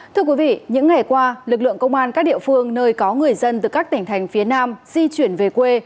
thưa quý vị những ngày qua lực lượng công an các địa phương nơi có người dân từ các tỉnh thành phía nam di chuyển về quê